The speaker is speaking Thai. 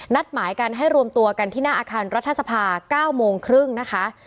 หมายกันให้รวมตัวกันที่หน้าอาคารรัฐสภา๙โมงครึ่งนะคะ